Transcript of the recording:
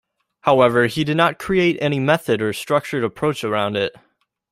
However, he did not create any method or structured approach around it.